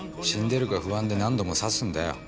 死んでるか不安で何度も刺すんだよ。